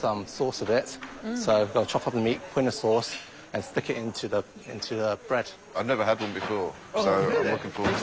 そうですか。